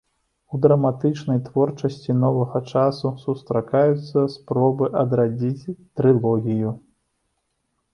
У драматычнай творчасці новага часу сустракаюцца спробы адрадзіць трылогію.